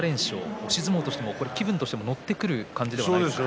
押し相撲としても気分が乗ってくる感じじゃないですか？